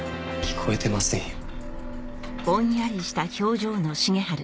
聞こえてませんよ。